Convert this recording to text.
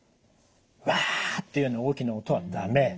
ウワっていうような大きな音は駄目。